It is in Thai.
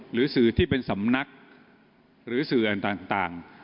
หรือสื่อที่เป็นสำนักหรือสื่อต่าง